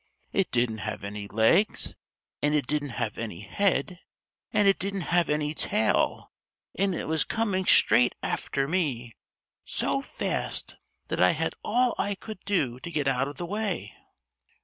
It didn't have any legs, and it didn't have any head, and it didn't have any tail, and it was coming straight after me so fast that I had all I could do to get out of the way!"